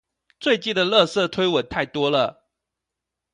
最近的垃圾推文太多了